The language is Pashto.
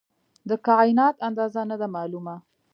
د کائنات اندازه نه ده معلومه.